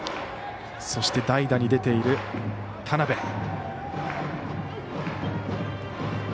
そして、代打に出ている田邊。